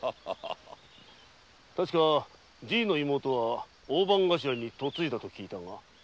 確かじいの妹は大番頭に嫁いだと聞いたが。